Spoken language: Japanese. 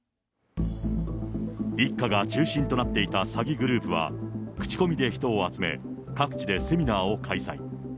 一家が中心となっていた詐欺グループは、口コミで人を集め、各地でセミナーを開催。